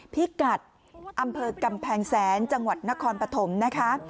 พิกัดอำเภอกำแพงแสนจังหวัดนครปฐมนะคะ